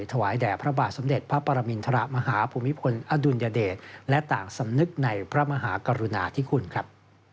ถวายแด่พระบาทสมเด็จพระปรมินทรมาฮภูมิพลอดุลยเดชและต่างสำนึกในพระมหากรุณาธิคุณครับ